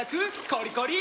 コリコリ！